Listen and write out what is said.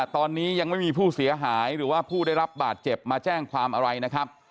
ตอนนี้ยังไม่มีผู้เสียหายหรือว่าผู้ได้รับบาดเจ็บมาแจ้งความอะไรนะครับ